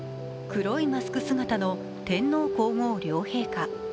黒いマスク姿の天皇皇后両陛下。